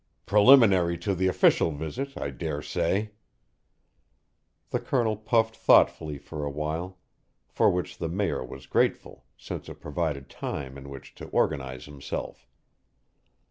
"Preliminary to the official visit, I dare say." The Colonel puffed thoughtfully for a while for which the Mayor was grateful, since it provided time in which to organize himself.